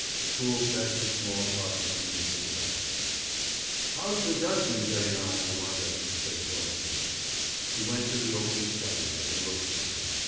Toole fetched a small tarpaulin, and hid the bodies. 'How's the Dutchman getting on, I wonder?' said the boatswain. He went to the open skylight, and looked down.